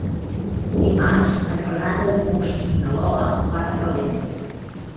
Dimarts en Renat August i na Lola van a Calella.